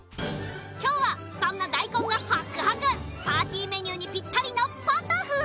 今日はそんな大根がほっくほくパーティーメニューにピッタリのポトフ！